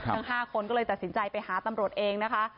ทั้ง๕คนก็เลยตัดสินใจไปหาตำรวจเองนะคะ